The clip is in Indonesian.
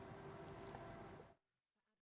dengan kebijakan pelonggaran